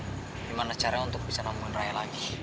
gimana caranya untuk bisa nemuin raya lagi